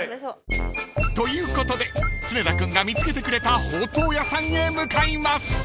［ということで常田君が見つけてくれたほうとう屋さんへ向かいます］